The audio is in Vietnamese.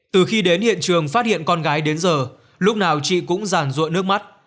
từ khi đến hiện trường phát hiện con gái đến giờ lúc nào chị cũng giản ruộng nước mắt